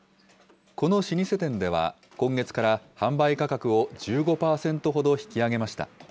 この老舗店では、今月から販売価格を１５％ほど引き上げました。